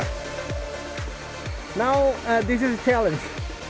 sekarang ini adalah tantangan